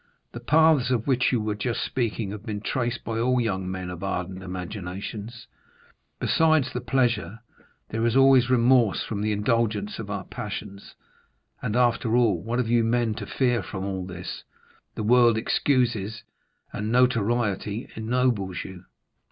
"The paths of which you were just speaking have been traced by all young men of ardent imaginations. Besides the pleasure, there is always remorse from the indulgence of our passions, and, after all, what have you men to fear from all this? the world excuses, and notoriety ennobles you."